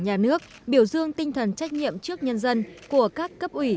nhà nước biểu dương tinh thần trách nhiệm trước nhân dân của các cấp ủy